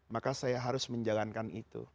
maka saya harus menjalankan itu